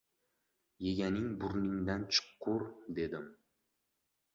Yeganing burningdan chiqqur! — dedim.